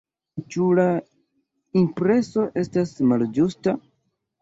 Ĉu la impreso estas malĝusta?